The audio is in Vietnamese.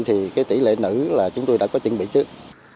thì cái tỷ lệ nữ là chúng tôi đã có chuẩn bị trước